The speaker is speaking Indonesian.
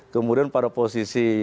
kemudian pada posisi